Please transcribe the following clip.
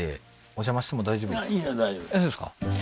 大丈夫ですか？